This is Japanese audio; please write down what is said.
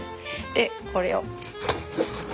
でこれを。